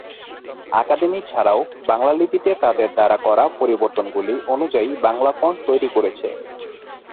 Academy এছাড়াও বাংলা লিপিতে তাদের দ্বারা করা পরিবর্তনগুলি অনুযায়ী বাংলা ফন্ট তৈরি করেছে।